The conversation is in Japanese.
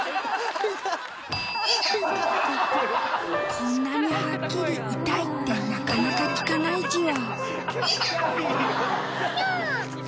こんなにハッキリ「痛い」ってなかなか聞かないじわ。